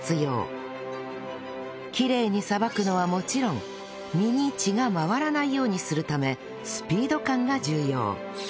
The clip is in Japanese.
きれいに捌くのはもちろん身に血が回らないようにするためスピード感が重要